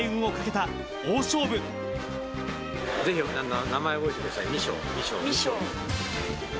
ぜひ名前を覚えてください。